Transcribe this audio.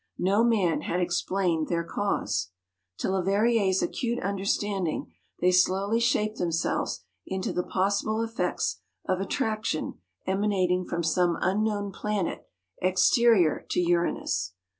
No man had explained their cause. To Leverrier's acute understanding they slowly shaped themselves into the possible effects of attraction emanating from some unknown planet exterior to Uranus.